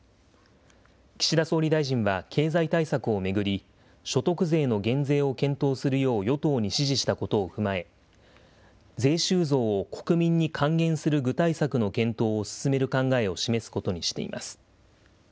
岸田総理大臣は、経済対策を巡り、所得税の減税を検討するよう与党に指示したことを踏まえ、税収増を国民に還元する具体策の検討を進める考えを示すことにしています。